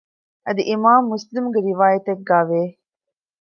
އަދި އިމާމު މުސްލިމުގެ ރިވާޔަތެއްގައި ވޭ